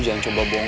cepet gua bilang